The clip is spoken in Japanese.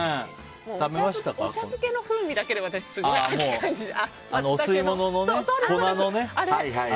お茶漬けの風味だけですごい秋を感じます。